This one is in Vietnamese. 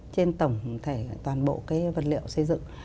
trên tổng thể toàn bộ cái vật liệu xây dựng